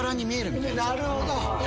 なるほど。